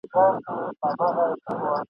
د هغه له ملاتړ څخه لاس اخلم ..